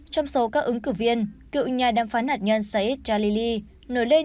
trong số các ứng cử viên kiệu nhà đàm phán hạt nhân saeed jalili nổi lên